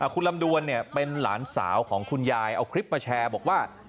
คุณลำดวนเป็นหลานสาวของคุณยายเอาคลิปมาแชร์บอกว่า